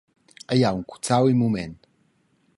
Ei ha aunc cuzzau in mument.